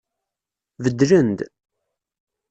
Beddlen-d.